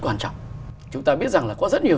quan trọng chúng ta biết rằng là có rất nhiều